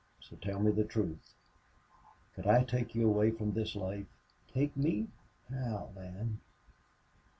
So tell me the truth.... Could I take you away from this life?" "Take me?... How man?"